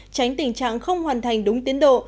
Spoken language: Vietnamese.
tránh tình trạng không hoàn thành đúng tiến độ